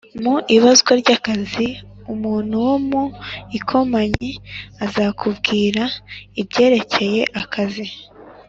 Mu ibazwa ry akazi umuntu wo mu ikompanyi azakubwira ibyerekeye akazi